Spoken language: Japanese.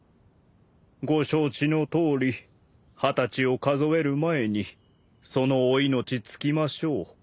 ご承知のとおり二十歳を数える前にそのお命尽きましょう。